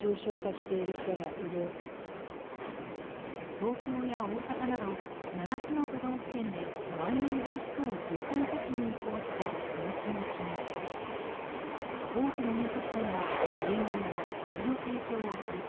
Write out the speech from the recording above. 東京や大阪など７つの都道府県でまん延防止等重点措置に移行した初日の昨日多くの飲食店が営業や酒の提供を再開。